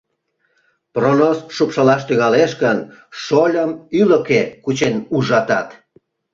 Пронос шупшылаш тӱҥалеш гын, шолым ӱлыкӧ кучен ужатат.